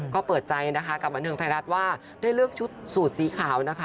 ก็เปิดใจนะคะกับบันเทิงไทยรัฐว่าได้เลือกชุดสูตรสีขาวนะคะ